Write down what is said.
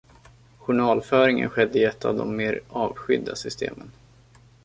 Journalföringen skedde i ett av de mer avskydda systemen